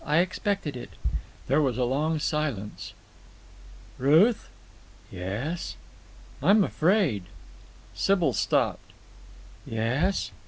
I expected it." There was a long silence. "Ruth." "Yes?" "I'm afraid—" Sybil stopped. "Yes?"